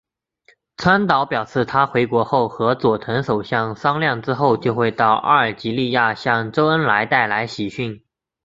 川岛表示他回国后和佐藤首相商量之后就会到阿尔及利亚向周恩来带来喜讯。